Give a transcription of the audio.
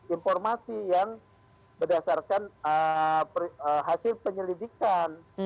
informasi yang berdasarkan hasil penyelidikan